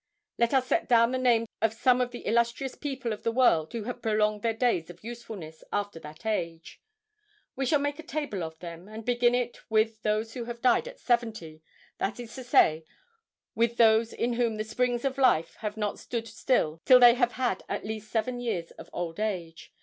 Let us set down the names of some of the illustrious people of the world who have prolonged their days of usefulness after that age. We shall make a table of them, and begin it with those who have died at seventy,—that is to say, with those in whom the springs of life have not stood still till they have had at least seven years of old age.